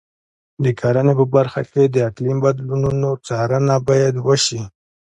د کرنې په برخه کې د اقلیم بدلونونو څارنه باید وشي.